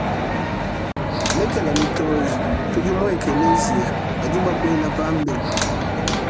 Lekela mitoyi tudi mu ekeleziya badi bakuela pambelu.